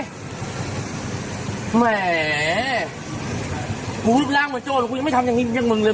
ทำแบบบนรถตู้พี่เขาได้ยังไง